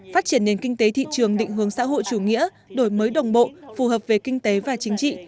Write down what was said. phát triển nền kinh tế thị trường định hướng xã hội chủ nghĩa đổi mới đồng bộ phù hợp về kinh tế và chính trị